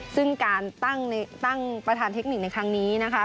ซึ่งการตั้งประธานเทคนิคในครั้งนี้นะคะ